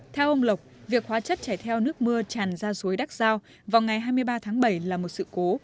theo ông lộc việc hóa chất chạy theo nước mưa tràn ra suối đắc giao vào ngày hai mươi ba tháng bảy là một sự cố